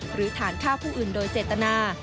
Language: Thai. หรือฐานฆ่าผู้อื่นโดยเจตนา